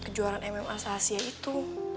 kejuaraan mma sahasia itu